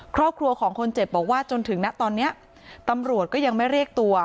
ครอบครัวของคนเจ็บบอกว่าจนถึงนะตอนนี้ตำรวจก็ยังไม่เรียกตัว